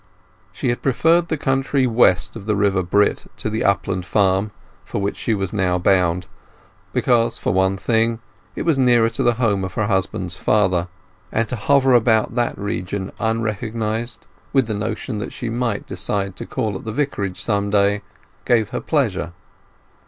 She had preferred the country west of the River Brit to the upland farm for which she was now bound, because, for one thing, it was nearer to the home of her husband's father; and to hover about that region unrecognized, with the notion that she might decide to call at the Vicarage some day, gave her pleasure.